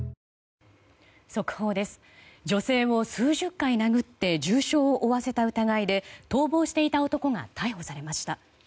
女性を数十回殴って重傷を負わせた疑いで逃亡していた男が逮捕されました。